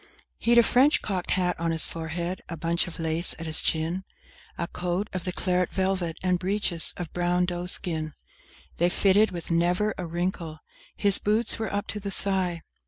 II He'd a French cocked hat on his forehead, a bunch of lace at his chin, A coat of the claret velvet, and breeches of brown doe skin; They fitted with never a wrinkle: his boots were up to the thigh!